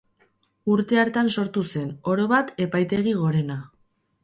Urte hartan sortu zen, orobat, Epaitegi Gorena.